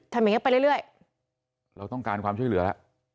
อย่างนี้ไปเรื่อยเราต้องการความช่วยเหลือแล้ว